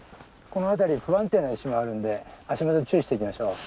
この辺り不安定な石もあるんで足元注意していきましょう。